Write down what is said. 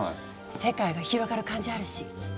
世界が広がる感じあるし。